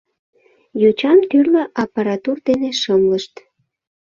Йочам тӱрлӧ аппаратур дене шымлышт.